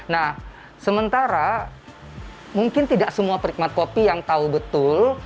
nah sementara mungkin tidak semua perikmat kopi yang tahu betul